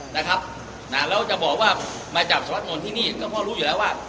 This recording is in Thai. นะครับนะแล้วจะบอกว่ามาจับสวัสดนนท์ที่นี่ก็เพราะรู้อยู่แล้วว่า